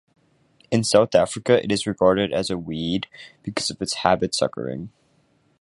In South Africa, it is regarded as a weed because of its habit suckering.